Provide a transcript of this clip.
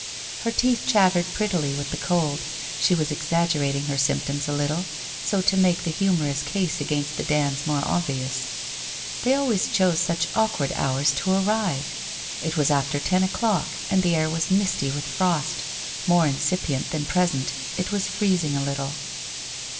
Her teeth chattered prettily with the cold, she was exaggerating her symptoms a little, so to make the humorous case against the Dands more obvious. They always chose such awk ward hours to arrive! It was after ten o'clock, and the air was misty with frost, more incipient than present; it was freezing a little.